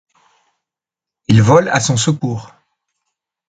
Il vole à son secours.